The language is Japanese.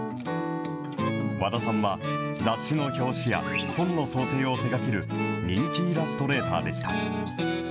和田さんは、雑誌の表紙や本の装丁を手がける人気イラストレーターでした。